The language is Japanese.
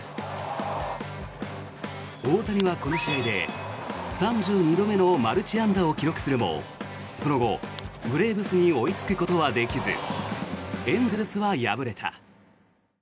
大谷はこの試合で３２度目のマルチ安打を記録するもその後、ブレーブスに追いつくことはできずエンゼルスは敗れた。